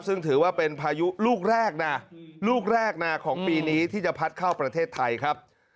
ซึ่งถือว่าเป็นพายุลูกแรกนะลูกแรกนะของปีนี้ที่จะพัดเข้าประเทศไทยครับ